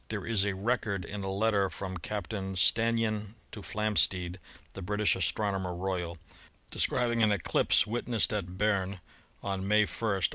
There is a record in a letter from Captain Stannyan to Flamsteed, the British Astronomer Royal, describing an eclipse wit nessed at Berne on May 1 (O.